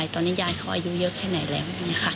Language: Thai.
ตอนนี้ยายเขาอายุเยอะแค่ไหนแล้ว